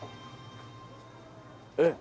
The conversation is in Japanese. えっ？